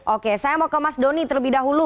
oke saya mau ke mas doni terlebih dahulu